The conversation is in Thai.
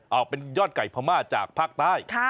เอาเป็นยอดไก่พม่าจากภาคใต้